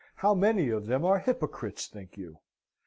How many of them are hypocrites, think you?